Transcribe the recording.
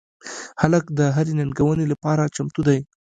هلک د هرې ننګونې لپاره چمتو دی.